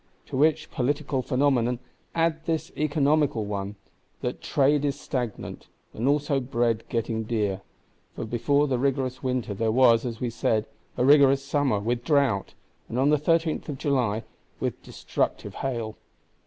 To which political phenomena add this economical one, that Trade is stagnant, and also Bread getting dear; for before the rigorous winter there was, as we said, a rigorous summer, with drought, and on the 13th of July with destructive hail.